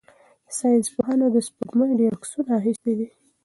ساینس پوهانو د سپوږمۍ ډېر عکسونه اخیستي دي.